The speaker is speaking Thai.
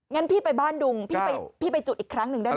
งั้นพี่ไปบ้านดุงพี่ไปจุดอีกครั้งหนึ่งได้ไหม